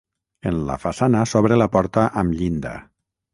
En la façana s'obre la porta amb llinda.